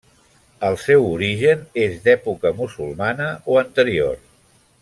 El seu origen és d'època musulmana o anterior.